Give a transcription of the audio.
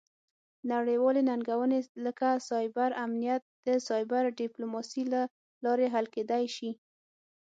نړیوالې ننګونې لکه سایبر امنیت د سایبر ډیپلوماسي له لارې حل کیدی شي